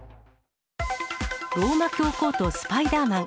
ローマ教皇とスパイダーマン。